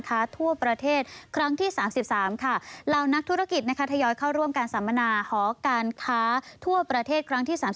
เดี๋ยวเราไปติดตามการสัมมนาฯหยนตราฏ